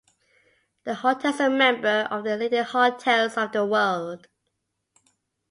The hotel is a member of The Leading Hotels of the World.